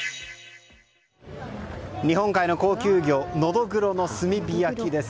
日本海の高級魚、ノドグロの炭火焼きです。